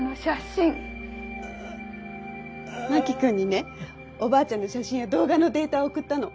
真木君にねおばあちゃんの写真や動画のデータを送ったの。